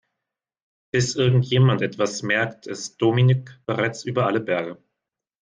Bis irgendjemand etwas merkt, ist Dominik bereits über alle Berge.